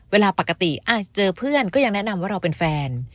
เวลาปกติเจอเพื่อนก็ยังแนะนำว่าเราเป็นแฟน